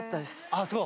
ああそう。